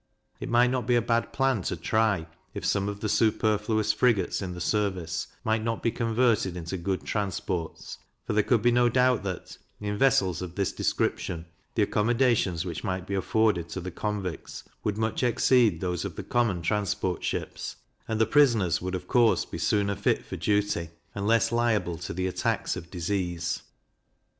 It might not be a bad plan to try if some of the superfluous frigates in the service might not be converted into good transports; for there could be no doubt that, in vessels of this description, the accommodations which might be afforded to the convicts would much exceed those of the common transport ships, and the prisoners would of course be sooner fit for duty, and less liable to the attacks of disease.